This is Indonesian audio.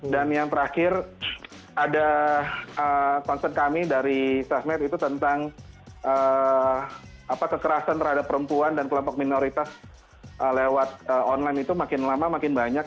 dan yang terakhir ada concern kami dari sazmet itu tentang kekerasan terhadap perempuan dan kelompok minoritas lewat online itu makin lama makin banyak